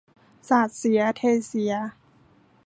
สาดเสียเทเสีย